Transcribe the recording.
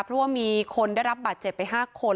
เพราะว่ามีคนได้รับบาดเจ็บไป๕คน